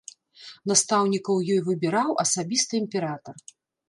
Настаўнікаў ёй выбіраў асабіста імператар.